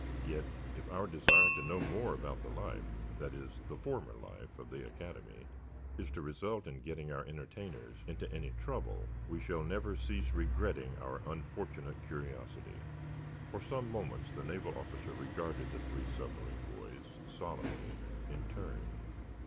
Yet, if our desire to know more about the life—that is, the former life—of the Academy is to result in getting our entertainers into any trouble, we shall never cease regretting our unfortunate curiosity." For some moments the naval officer regarded the three submarine boys, solemnly, in turn.